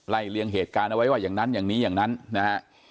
เลี่ยงเหตุการณ์เอาไว้ว่าอย่างนั้นอย่างนี้อย่างนั้นนะฮะ